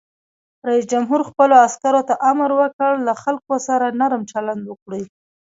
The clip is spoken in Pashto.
رئیس جمهور خپلو عسکرو ته امر وکړ؛ له خلکو سره نرم چلند وکړئ!